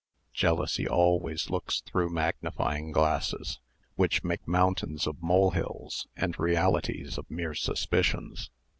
Jealousy always looks through magnifying glasses, which make mountains of molehills, and realities of mere suspicions.